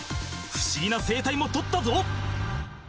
不思議な生態も撮ったぞ